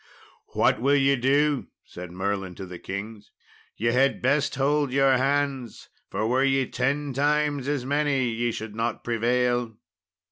"What will ye do?" said Merlin to the kings; "ye had best hold your hands, for were ye ten times as many ye should not prevail."